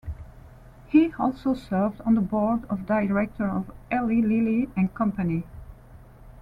He also serves on the board of directors of Eli Lilly and Company.